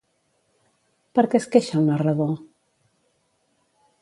Per què es queixa el narrador?